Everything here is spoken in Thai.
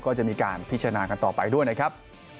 ก็จะมีการพิจารณากันต่อไปด้วยนะครับ